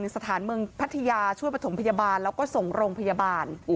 สถานเมืองพัทยาช่วยประถมพยาบาลแล้วก็ส่งโรงพยาบาล